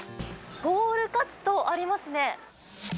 ボールカツとありますね。